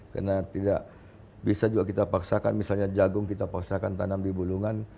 karena tidak bisa juga kita paksakan misalnya jagung kita paksakan tanam di bulungan